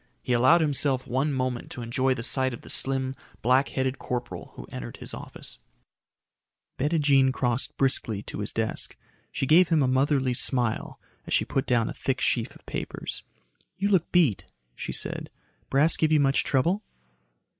He allowed himself one moment to enjoy the sight of the slim, black headed corporal who entered his office. Bettijean crossed briskly to his desk. She gave him a motherly smile as she put down a thick sheaf of papers. "You look beat," she said. "Brass give you much trouble?"